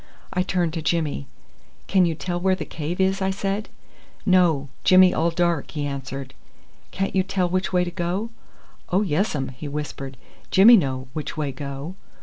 I turned to Jimmy. "Can you tell where the cave is?" I said. "No: Jimmy all dark," he answered. "Can't you tell which way to go?" "Oh yes um," he whispered. "Jimmy know which way go."